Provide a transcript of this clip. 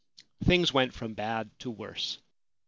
Things went from bad to worse.